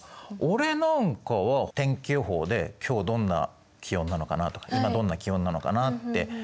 俺なんかは天気予報で今日どんな気温なのかなとか今どんな気温なのかなって。